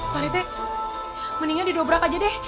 pak retai mendingan didobrak aja deh